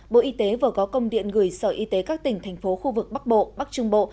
bộ y tế vừa có công điện gửi sở y tế các tỉnh thành phố khu vực bắc bộ bắc trung bộ